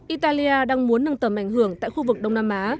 italia đang muốn nâng tầm ảnh hưởng tại khu vực đông nam á